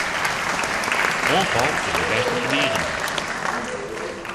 Oanfal is de bêste ferdigening.